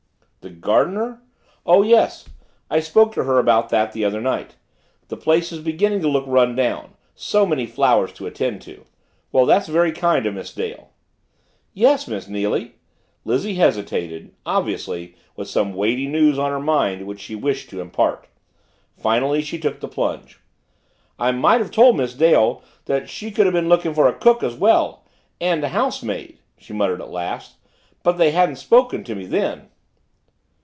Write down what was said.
"The gardener? Oh, yes I spoke to her about that the other night. The place is beginning to look run down so many flowers to attend to. Well that's very kind of Miss Dale." "Yes, Miss Neily." Lizzie hesitated, obviously with some weighty news on her mind which she wished to impart. Finally she took the plunge. "I might have told Miss Dale she could have been lookin' for a cook as well and a housemaid " she muttered at last, "but they hadn't spoken to me then."